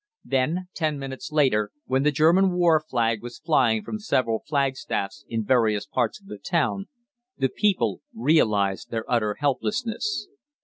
Then, ten minutes later, when the German war flag was flying from several flagstaffs in various parts of the town, the people realised their utter helplessness.